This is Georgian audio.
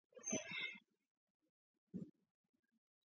ტუპის სხვადასხვა ტომები ერთმანეთის მიმართ დაუსრულებელ ომებს აწარმოებდნენ.